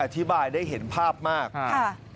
อธิบายได้เห็นภาพมากทำไม